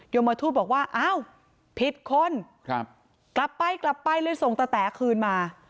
มทูตบอกว่าอ้าวผิดคนกลับไปกลับไปเลยส่งตะแต๋คืนมา